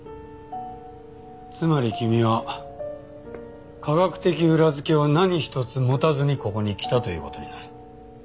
つまり君は科学的裏付けを何一つ持たずにここに来たという事になる。